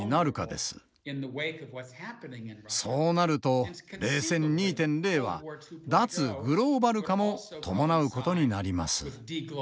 そうなると冷戦２．０は脱グローバル化も伴うことになります。